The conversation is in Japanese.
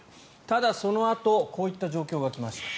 ただ、そのあとこういった状況が来ました。